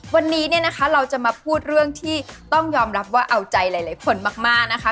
วันนี้เราจะมาพูดเรื่องที่ต้องยอมรับว่าเอาใจหลายคนมาก